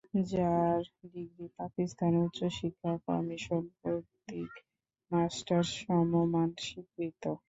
যার ডিগ্রি পাকিস্তান উচ্চ শিক্ষা কমিশন কর্তৃক মাস্টার্স সমমান স্বীকৃত।